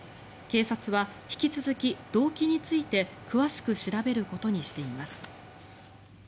警察は引き続き動機について詳しく調べることにしています。